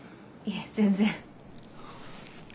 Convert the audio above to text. いえ全然。